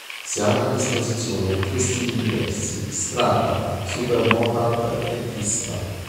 Si hanno a disposizione tre stili diversi: "strada", "supermotard" e "pista".